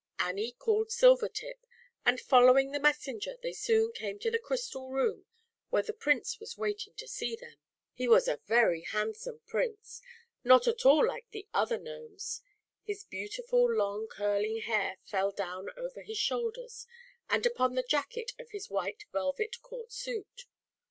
Annie called Silvertip, and following the Mes senger, they soon came to the Crystal Room, where the Prince was waiting to see them. He was ^ very handsome ^!i $2fe ti 176 ZAUBERLINDA, THE WISE WITCH. Prince, not at all like the other Gnomes. His beautiful long curling hair fell down over his shoulders, and upon the jacket of his white velvet Court Suit.